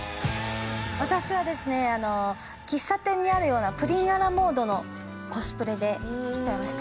私はですねあの喫茶店にあるようなプリン・ア・ラ・モードのコスプレで来ちゃいました。